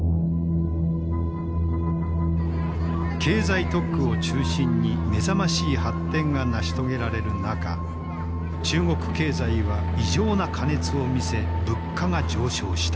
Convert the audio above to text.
経済特区を中心に目覚ましい発展が成し遂げられる中中国経済は異常な過熱を見せ物価が上昇した。